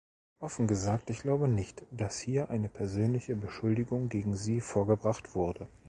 Offen gesagt, ich glaube nicht, dass hier eine persönliche Beschuldigung gegen Sie vorgebracht wurde.